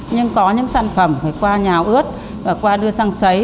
nhưng có những sản phẩm phải qua nhào ướt và qua đưa sang sấy